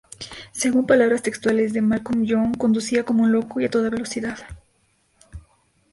Según palabras textuales de Malcolm Young "conducía como un loco y a toda velocidad".